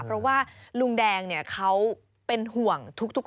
เพราะว่าลูงแดงเนี่ยเค้าเป็นห่วงทุกคน